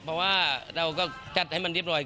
เพราะว่าเราก็จัดให้มันเรียบร้อย